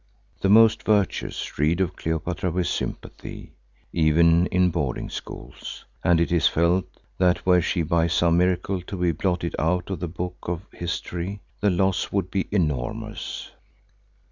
The most virtuous read of Cleopatra with sympathy, even in boarding schools, and it is felt that were she by some miracle to be blotted out of the book of history, the loss would be enormous.